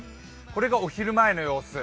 これがお昼前の様子。